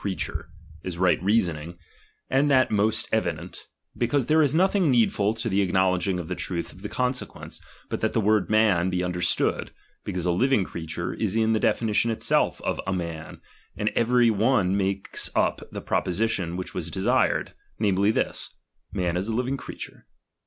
I r I creature, is right reasoning : and that most evi chap, ix dent, because there is nothing needful to the ac '—; knowledging of the truth of the consequence, but mun "ris^iii u, that the word man be understood ; because a Ziting creature is in the definition itself of a man, a nd every one makes up the proposition which was clesired, namely this, man is a Iwhig creature.